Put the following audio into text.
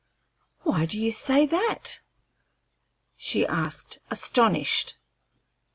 "Why do you say that?" she asked, astonished.